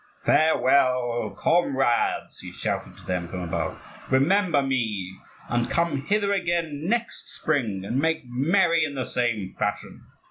"Farewell, comrades!" he shouted to them from above; "remember me, and come hither again next spring and make merry in the same fashion!